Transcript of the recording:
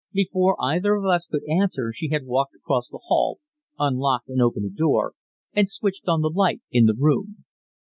Before either of us could answer she had walked across the hall, unlocked and opened a door, and switched on the light in the room.